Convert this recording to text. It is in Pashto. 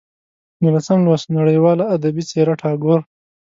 نولسم لوست: نړیواله ادبي څېره ټاګور